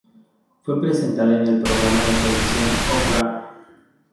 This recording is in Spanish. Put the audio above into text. Fue presentada en el programa de televisión "Oprah".